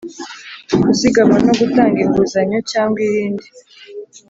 kuzigama no gutanga inguzanyo cyangwa irindi